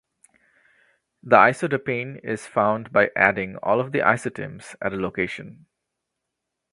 The isodapane is found by adding all of the isotims at a location.